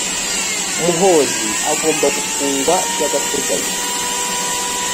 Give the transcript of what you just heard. muhozi agomba gufugwa bya gateganyo